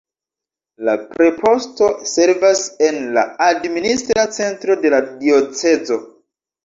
La preposto servas en la administra centro de la diocezo.